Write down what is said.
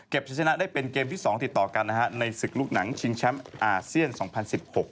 จะชนะได้เป็นเกมที่สองติดต่อกันนะฮะในศึกลูกหนังชิงแชมป์อาเซียนสองพันสิบหก